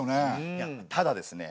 ただですね